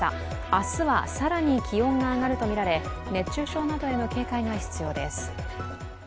明日は更に気温が上がるとみられ熱中症などへの警戒が必要です。